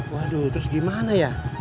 waduh terus gimana ya